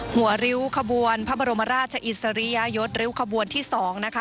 หัวริ้วขบวนพระบรมราชอิสริยยศริ้วขบวนที่๒นะคะ